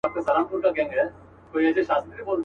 وروسته وار سو د قاضى د وزيرانو .